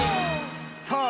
さあ